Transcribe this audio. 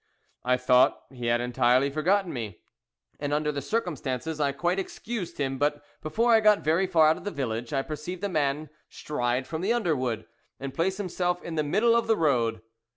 I thought he had entirely forgotten me, and under the circumstances I quite excused him, but before I got very far out of the village I perceived a man stride from the underwood, and place himself in the middle of the road.